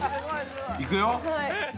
いくよ。